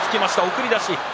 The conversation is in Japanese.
送り出し。